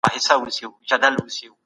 پاته هم